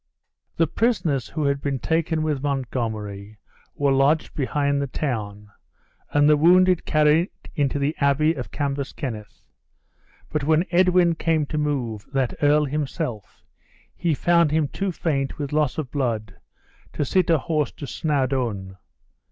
The prisoners who had been taken with Montgomery were lodged behind the town, and the wounded carried into the Abbey of Cambus Kenneth; but when Edwin came to move that earl himself, he found him too faint with loss of blood to sit a horse to Snawdoun.